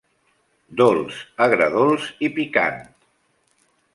Dolç, Agredolç i Picant.